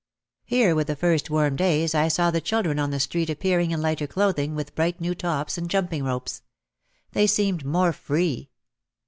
Here with the first warm days I saw the children on the street appearing in lighter clothing with bright new tops and jumping ropes. They seemed more free.